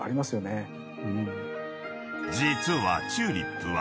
［実はチューリップは］